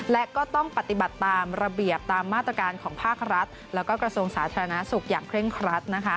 และก็ต้องปฏิบัติตามระเบียบตามมาตรการของภาครัฐแล้วก็กระทรวงสาธารณสุขอย่างเคร่งครัด